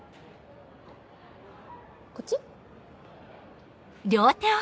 こっち？